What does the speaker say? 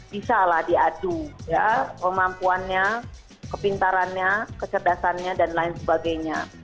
bisalah diadu kemampuannya kepintarannya kecerdasannya dan lain sebagainya